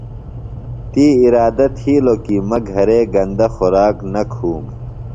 تی اِرادہ تھِیلوۡ کی مہ گھرے گندہ خوراک نہ کُھوم